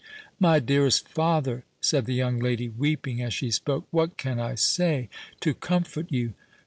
"My dearest father," said the young lady, weeping as she spoke, "what can I say to comfort you?"